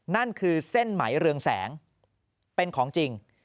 นั่นคือเส้นไหมเรืองแสงเป็นของจริง